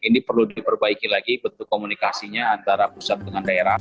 ini perlu diperbaiki lagi bentuk komunikasinya antara pusat dengan daerah